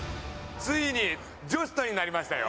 ついに女子とになりましたよ。